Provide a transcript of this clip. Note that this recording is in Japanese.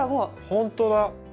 ほんとだ。